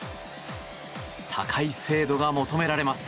高い精度が求められます。